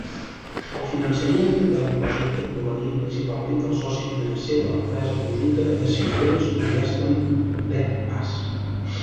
El finançament del projecte provenia principalment del soci financer de l'empresa conjunta Decisions Investment d'Ed Bass.